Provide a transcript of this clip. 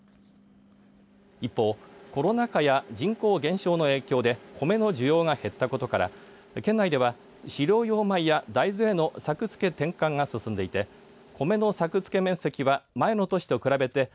一方コロナ禍や人口減少の影響でコメの需要が減ったことから県内では飼料用米や大豆への作付け転換が進んでいてコメの作付面積は前の年と比べて３００